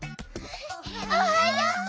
おはよう！